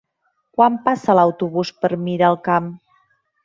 Quan passa l'autobús per Miralcamp?